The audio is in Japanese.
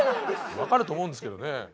分かると思うんですけどね。